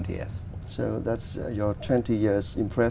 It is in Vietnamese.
để xây dựng hợp lý